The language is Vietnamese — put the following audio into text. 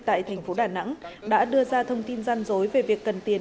tại thành phố đà nẵng đã đưa ra thông tin gian dối về việc cần tiền